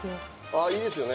あいいですよね